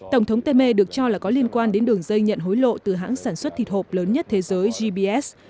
tổng thống temer được cho là có liên quan đến đường dây nhận hối lộ từ hãng sản xuất thịt hộp lớn nhất thế giới gbs